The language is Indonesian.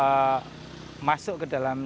sensor sensor ini masuk ke dalam